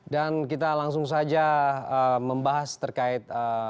dan kita langsung saja membahas terkait